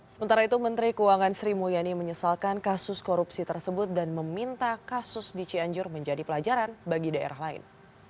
sementara itu menteri keuangan sri mulyani menyesalkan kasus korupsi tersebut dan meminta kasus di cianjur menjadi pelajaran bagi daerah lain